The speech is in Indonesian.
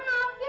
iya nggak sih